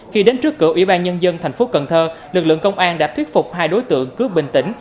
khi đến trước cửa ủy ban nhân dân thành phố cần thơ lực lượng công an đã thuyết phục hai đối tượng cướp bình tĩnh